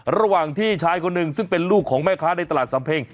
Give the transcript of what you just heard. ระหว่างที่ชายคนหนึ่งซึ่งเป็นลูกของแม่ค้าในตลาดสำเพ็ง